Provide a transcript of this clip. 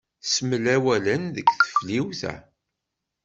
Smel awalen deg teflwit-a.